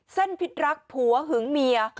เส้นผิดรักผัวหึงเมีย